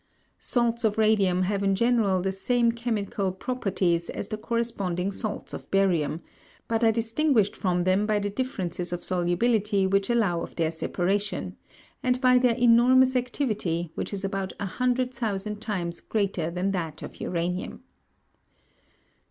Salts of radium have in general the same chemical properties as the corresponding salts of barium, but are distinguished from them by the differences of solubility which allow of their separation, and by their enormous activity, which is about a hundred thousand times greater than that of uranium.